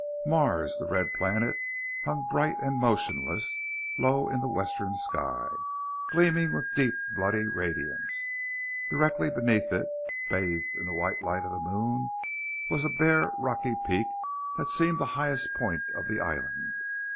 Mars, the red planet, hung bright and motionless, low in the western sky, gleaming with deep bloody radiance. Directly beneath it, bathed in the white light of the moon, was a bare, rocky peak that seemed the highest point of the island.